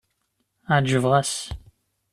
Ɛejbeɣ-as.